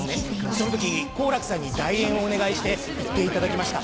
その時に好楽さんに代演をお願いして行っていただきました。